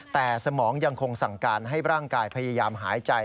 แต่สมองยังคงสั่งการให้ร่างกายพยายามหายใจ